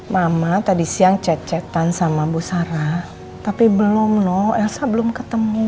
mama tadi siang chat chatan sama bu sarah tapi belum noh elsa belum ketemu